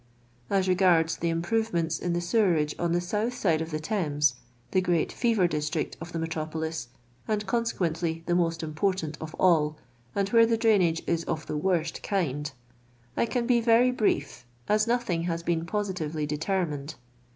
As regards the improvements in the sewerage on the siuiih tfide of the Thames (the great fever district of the iii»'iropolis, and consequently the most important of all, and where the drainage is of the wor tt kind), I can be very brief, as nothing has been pomtivrly (U termined.